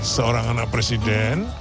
seorang anak presiden